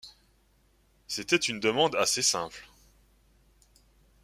C'était une demande assez simple.